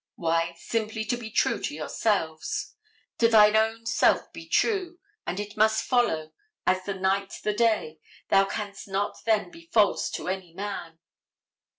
Why, simply to be true to yourselves. "To thine own self be true, and it must follow, as the night the day, thou canst not then be false to any man."